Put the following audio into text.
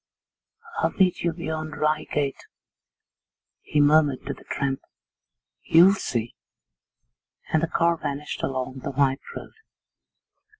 'I'll meet you beyond Reigate,' he murmured to the tramp. 'You'll see.' And the car vanished along the white road.